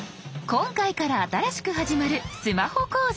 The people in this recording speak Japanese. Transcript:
今回から新しく始まるスマホ講座。